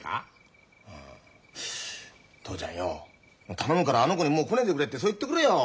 頼むからあの子にもう来ねえでくれってそう言ってくれよ。